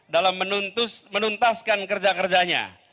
dalam menuntaskan kerja kerjanya